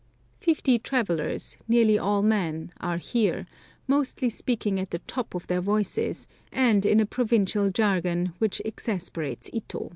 Fifty travellers, nearly all men, are here, mostly speaking at the top of their voices, and in a provincial jargon which exasperates Ito.